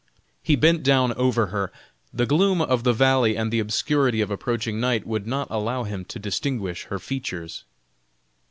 He bent down over her; the gloom of the valley and the obscurity of approaching night would not allow him to distinguish her features.